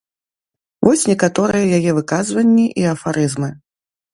Вось некаторыя яе выказванні і афарызмы.